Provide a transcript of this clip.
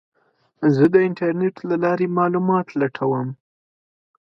زه د انټرنیټ له لارې معلومات لټوم.